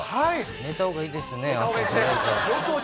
寝たほうがいいですね、朝早いから。